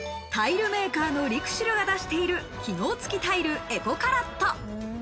タイルメーカーのリクシルが出している機能付きタイル・エコカラット。